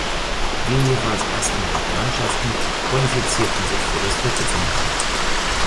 Die jeweils ersten beiden Mannschaften qualifizierten sich für das Viertelfinale.